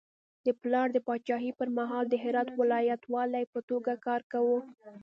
د پلار د پاچاهي پر مهال د هرات ولایت والي په توګه کار کاوه.